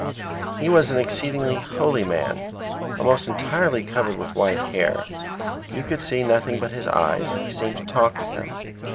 He was an exceedingly holy man, almost entirely covered with white hair. You could see nothing but his eyes, and he seemed to talk with them.